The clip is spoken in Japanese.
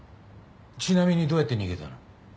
ちなみにどうやって逃げたの？